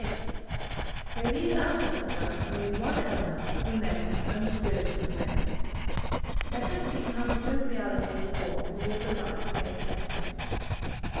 They leave out of account only one element the men, and the spirit of the men. Let us see how the grim realities of war can give the lie to paper estimates.